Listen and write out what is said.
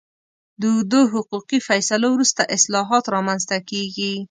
له اوږدو حقوقي فیصلو وروسته اصلاحات رامنځته کېږي.